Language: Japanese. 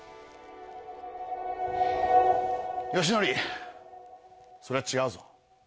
義徳それは違うぞ。